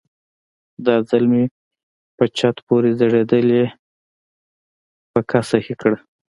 دا ځل مې په چت پورې ځړېدلې پکه سهي کړه.